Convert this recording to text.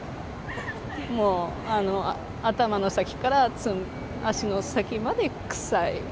もう頭の先から足の先まで臭い。